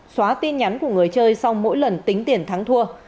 xóa tin nhắn của người chơi sau mỗi lần tính tiền thắng thua